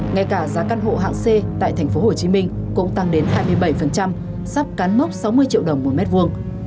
ngay cả giá căn hộ hạng c tại tp hcm cũng tăng đến hai mươi bảy sắp cán mốc sáu mươi triệu đồng một mét vuông